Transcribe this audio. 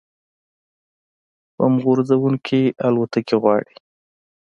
بمب غورځوونکې الوتکې غواړي